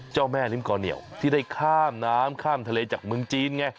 เจ้าแม่ลิ้มก่อเหนียวที่ได้ข้ามน้ำข้ามทะเลจากเมืองจีนไง